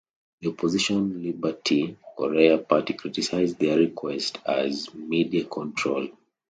The opposition Liberty Korea Party criticised their request as "media control".